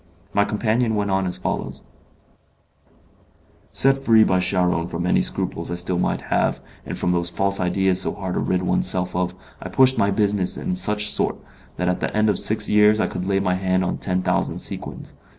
My companion went on as follows: "Set free by Charron from any scruples I still might have, and from those false ideas so hard to rid one's self of, I pushed my business in such sort, that at the end of six years I could lay my hand on ten thousand sequins.